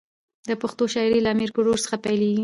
د پښتو شاعري له امیر ګروړ څخه پیلېږي.